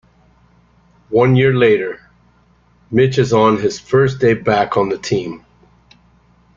One year later, Mitch is on his first day back on the team.